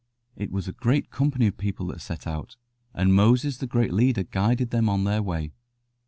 ] It was a great company of people that set out, and Moses the great leader guided them on their way.